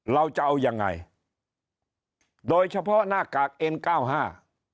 เราจะเอายังไงโดยเฉพาะหน้ากากเอ็นเก้าห้า